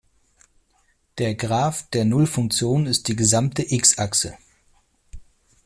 Der Graph der Nullfunktion ist die gesamte x-Achse.